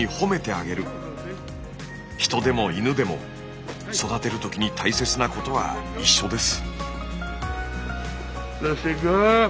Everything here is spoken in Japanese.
人でも犬でも育てる時に大切なことは一緒です。